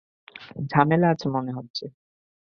ঝামেলা আছে মনে হচ্ছে।